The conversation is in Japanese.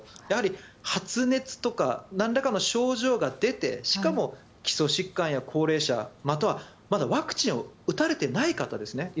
やはり発熱とかなんらかの症状が出てしかも基礎疾患や高齢者または、まだワクチンを打たれていない方ですね